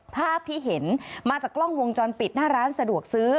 ภาพที่เห็นมาจากกล้องวงจรปิดหน้าร้านสะดวกซื้อ